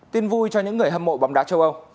tin vui cho những người hâm mộ bóng đá châu âu